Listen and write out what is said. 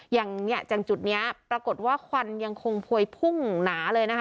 อย่างเนี่ยจากจุดนี้ปรากฏว่าควันยังคงพวยพุ่งหนาเลยนะคะ